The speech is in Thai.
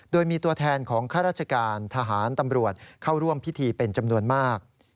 โดยมีตัวแทนของข้าราชการทหารตำรวจเข้าร่วมพิธีเป็นจำนวนมาก